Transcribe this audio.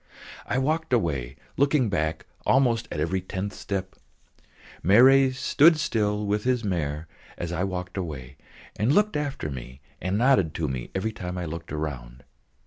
I walked away, looking back almost at every tenth step. Marey stood still with his mare as I walked away, and looked after me and nodded to me every time I looked round.